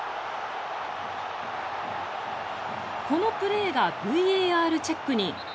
このプレーがＶＡＲチェックに。